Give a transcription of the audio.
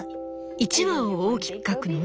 １羽を大きく描くの？